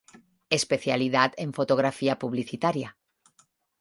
Especialidad en fotografía publicitaria.